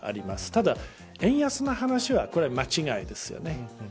ただ円安の話はこれは間違いですよね。